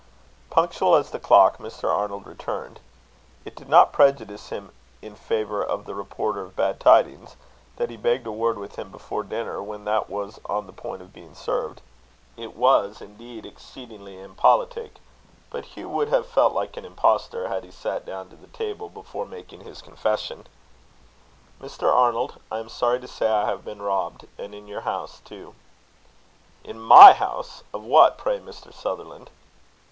Punctual as the clock, Mr. Arnold returned. It did not prejudice him in favour of the reporter of bad tidings, that he begged a word with him before dinner, when that was on the point of being served. It was, indeed, exceeding impolitic; but Hugh would have felt like an impostor, had he sat down to the table before making his confession. "Mr. Arnold, I am sorry to say I have been robbed, and in your house, too." "In my house? Of what, pray, Mr. Sutherland?"